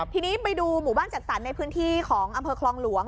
ทีนี้ไปดูหมู่บ้านจัดสรรในพื้นที่ของอำเภอคลองหลวง